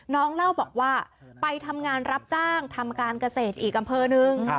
เล่าบอกว่าไปทำงานรับจ้างทำการเกษตรอีกอำเภอนึง